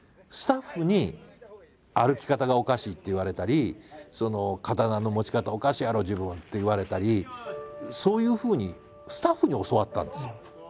スタッフに「歩き方がおかしい！」って言われたり「刀の持ち方おかしいやろ自分」って言われたりそういうふうにスタッフに教わったんですよ。